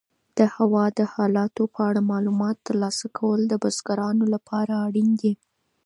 د هوا د حالاتو په اړه معلومات ترلاسه کول د بزګرانو لپاره اړین دي.